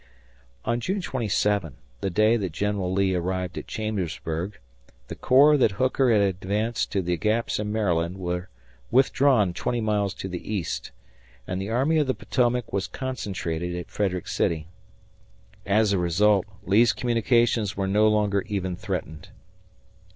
On June 27, the day that General Lee arrived at Chambersburg, the corps that Hooker had advanced to the Gaps in Maryland were withdrawn twenty miles to the east, and the Army of the Potomac was concentrated at Frederick City. As a result, Lee's communications were no longer even threatened.